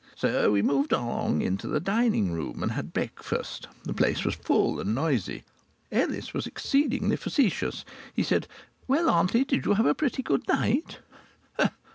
So we moved along into the dining room and had breakfast. The place was full and noisy. Ellis was exceedingly facetious. He said: "Well, auntie, did you have a pretty good night?"